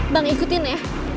bang ikutin ya